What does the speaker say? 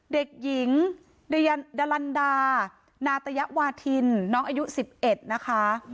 เด็กหญิงดลันดานาตยวาทินน้องอายุ๑๑นะคะ